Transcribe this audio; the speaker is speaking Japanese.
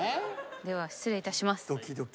では失礼いたします。